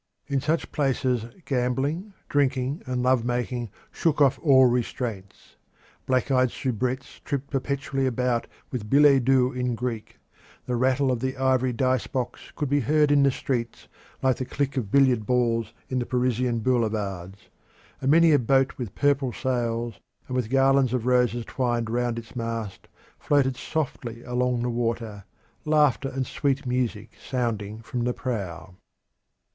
In such places gambling, drinking, and lovemaking shook off all restraints. Black eyed soubrettes tripped perpetually about with billets doux in Greek; the rattle of the ivory dice box could be heard in the streets, like the click of billiard balls in the Parisian boulevards; and many a boat with purple sails and with garlands of roses twined round its mast floated softly along the water, laughter and sweet music sounding from the prow.